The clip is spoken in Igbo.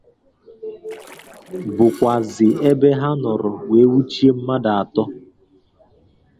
bụkwazị ebe ha nọrọ wee nwụchie mmadụ atọ.